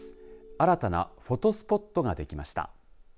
新たなフォトスポットができました。